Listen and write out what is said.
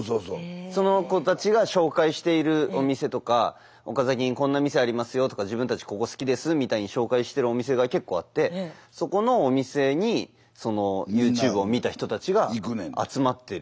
その子たちが紹介しているお店とか岡崎にこんな店ありますよとか自分たちここ好きですみたいに紹介してるお店が結構あってそこのお店にそのＹｏｕＴｕｂｅを見た人たちが集まってる。